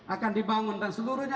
akan dibangun dan seluruhnya